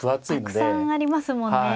たくさんありますもんね。